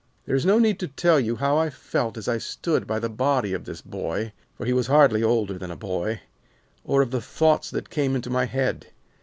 There is no need to tell you how I felt as I stood by the body of this boy, for he was hardly older than a boy, or of the thoughts that came into my head.